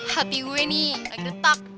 hp gue nih lagi retak